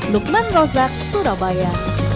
lukman rozak surabaya